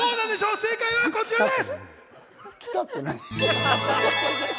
正解はこちらです。